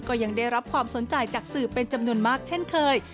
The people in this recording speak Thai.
ก็ยังได้รับความสนใจจากสื่อเป็นจำนวนมากเช่นเคย